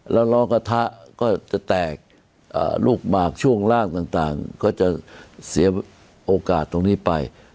แล้วล้อกระทะก็จะแตกลูกหมากช่วงล่างต่างก็จะเสียโอกาสตรงนี้ไป